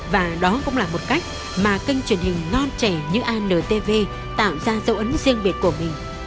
và đó cũng là một cách mà kênh truyền hình non trẻ như antv tạo ra dấu ấn riêng biệt của mình